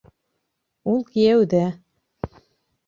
Ул кейәүҙә.